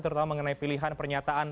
terutama mengenai pilihan pernyataan